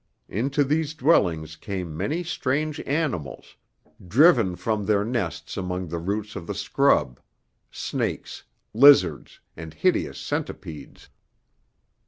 Into these dwellings came many strange animals, driven from their nests among the roots of the scrub snakes, lizards, and hideous centipedes.